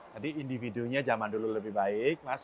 jadi individunya zaman dulu lebih baik mas